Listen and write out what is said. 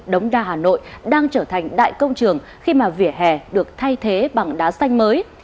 đống đa hà nội đang trở thành đại công trường khi mà vỉa hè được thay thế bằng đá xanh mới